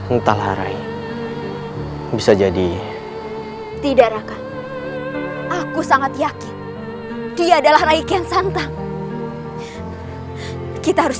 entahlah rai bisa jadi tidak raka aku sangat yakin dia adalah raiki yang santa kita harus